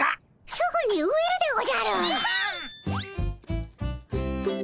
すぐに植えるでおじゃる！